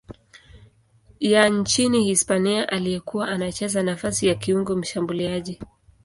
ya nchini Hispania aliyekuwa anacheza nafasi ya kiungo mshambuliaji.